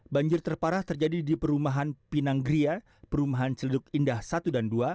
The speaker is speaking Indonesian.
banjir terparah terjadi di perumahan pinang gria perumahan celeduk indah satu dan dua